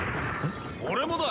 俺もだ！